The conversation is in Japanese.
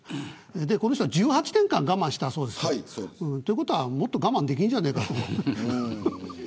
この人は１８年間我慢したそうです。ということはもっと我慢できるんじゃないか。